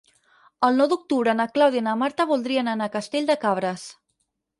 El nou d'octubre na Clàudia i na Marta voldrien anar a Castell de Cabres.